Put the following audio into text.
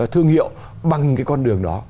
thương hiệu bằng cái con đường đó